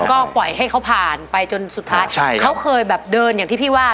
ก็ปล่อยให้เขาผ่านไปจนสุดท้ายเขาเคยแบบเดินอย่างที่พี่ว่า